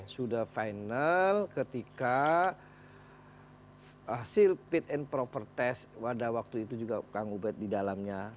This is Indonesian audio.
sudah final ketika hasil fit and proper test pada waktu itu juga kang ubed di dalamnya